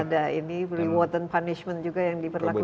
ada reward and punishment juga yang diperlakukan